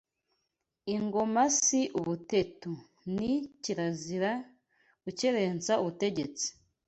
Ingoma si ubuteto ni Kirazira gukerensa ubutegetsi